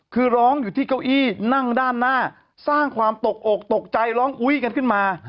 คือร้องอยู่ที่เก้าอี้นั่งด้านหน้าสร้างความตกอกตกใจร้องอุ้ยกันขึ้นมา